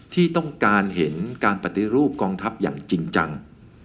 ที่ต้องการเห็นการปฏิรูปกองทัพอย่างจริงจัง